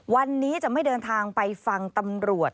วันนี้จะไม่เดินทางไปฟังตำรวจ